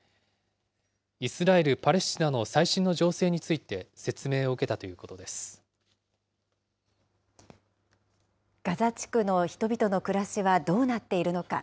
イスラエル・パレスチナの最新の情勢について、説明を受けたといガザ地区の人々の暮らしはどうなっているのか。